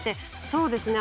そうですね。